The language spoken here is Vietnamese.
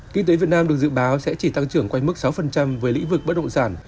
kinh tế việt nam được dự báo sẽ chỉ tăng trưởng quanh mức sáu với lĩnh vực bất động sản